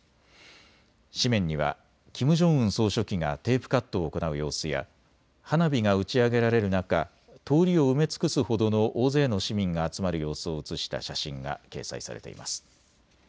紙面にはキム・ジョンウン総書記がテープカットを行う様子や花火が打ち上げられる中、通りを埋め尽くすほどの大勢の市民が集まる様子を写した写真が掲載されています。